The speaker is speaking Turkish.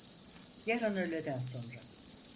Yarın öğleden sonra.